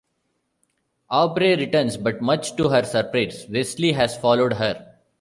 Aubrey returns, but much to her surprise, Wesley has followed her.